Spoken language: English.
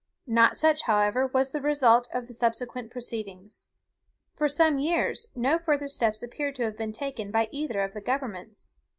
Not such, however, was the result of the subsequent proceedings. For some years, no further steps appear to have been taken by either of the governments.